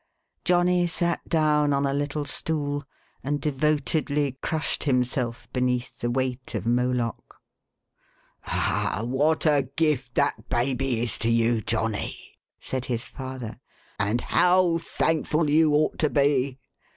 '" Johnny sat down on a little stool, and devotedly crushed himself beneath the weight of Moloch. " Ah, what a gift that baby is to you, Johnny !" said his father, " and how thankful you ought to be